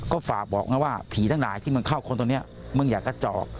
ก็ฝากบอกนะว่าผีทั้งหลายที่มึงเข้าคนตรงนี้มึงอยากกระจอก